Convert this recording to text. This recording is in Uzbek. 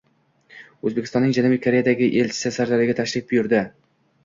O‘zbekistonning Janubiy Koreyadagi elchisi Sirdaryoga tashrif buyurdi